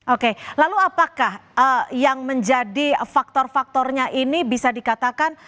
oke lalu apakah yang menjadi faktor faktornya ini bisa dikatakan